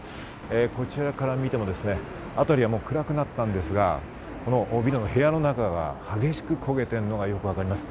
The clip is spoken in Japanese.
こちらから見ても辺りは暗くなったんですが、ビルの部屋の中が激しくこげているのがよくわかります。